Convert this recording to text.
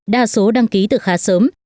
đa số đăng ký từ khá sớm